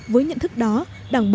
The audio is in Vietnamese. với nhận thức đó đảng bộ